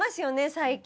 最近。